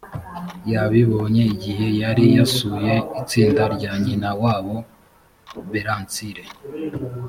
ybibonye igihe yari yasuye itsinda rya nyina wabo berancille